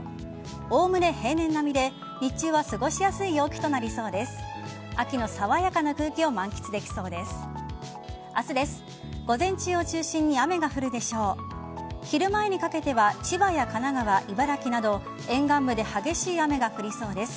おおむね平年並みで日中は過ごしやすい陽気となりそうです。